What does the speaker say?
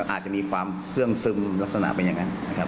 อาจจะมีความซื้องซึมลักษณะเป็นอย่างนั้น